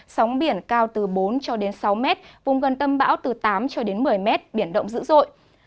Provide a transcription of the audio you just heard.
sóng biển cao từ bốn cho đến sáu mét vùng gần tâm bão từ tám cho đến một mươi m biển động dữ dội